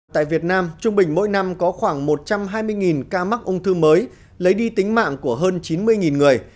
tại việt nam trung bình mỗi năm có khoảng một trăm hai mươi ca mắc ung thư mới lấy đi tính mạng của hơn chín mươi người